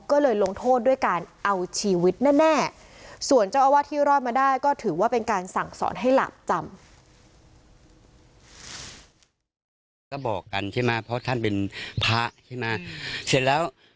ก็เลยลงโทษด้วยการเอาชีวิตแน่ส่วนเจ้าอาวาสที่รอดมาได้ก็ถือว่าเป็นการสั่งสอนให้หลาบจำ